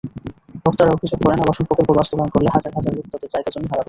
বক্তারা অভিযোগ করেন, আবাসন প্রকল্প বাস্তবায়ন করলে হাজার হাজার লোক তাঁদের জায়গা-জমি হারাবে।